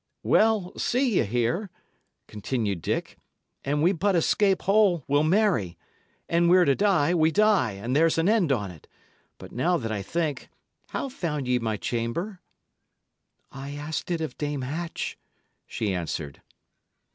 "Well, see ye here," continued Dick, "an we but escape whole we'll marry; and an we're to die, we die, and there's an end on't. But now that I think, how found ye my chamber?" "I asked it of Dame Hatch," she answered.